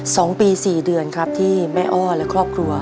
สองปีสี่เดือนครับที่แม่อ้อและครอบครัว